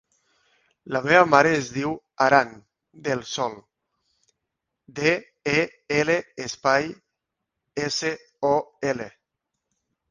La meva mare es diu Aran Del Sol: de, e, ela, espai, essa, o, ela.